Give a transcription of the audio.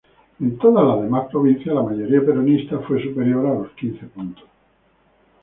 En todas las demás provincias, la mayoría peronista fue superior a los quince puntos.